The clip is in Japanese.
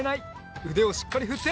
うでをしっかりふって。